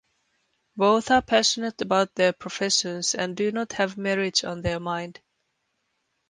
Both are passionate about their professions and do not have marriage on their mind.